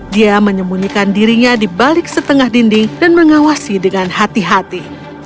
dia menyembunyikan dirinya di balik setengah dinding dan mengawasi dengan hati hati